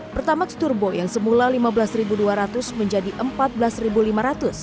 pertamax turbo yang semula rp lima belas dua ratus menjadi rp empat belas lima ratus